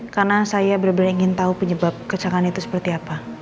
karena saya benar benar ingin tahu penyebab kecelakaan itu seperti apa